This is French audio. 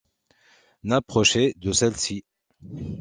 n’approchait de celle-ci.